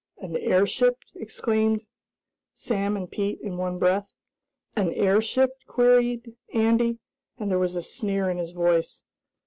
"An airship?" exclaimed Sam and Pete in one breath. "An airship?" queried Andy, and there was a sneer in his voice.